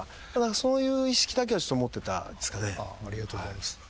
そういう意識だけは持ってたですかね。